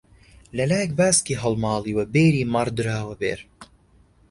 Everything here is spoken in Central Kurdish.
لەلایەک باسکی هەڵماڵیوە بێری مەڕ دراوە بێر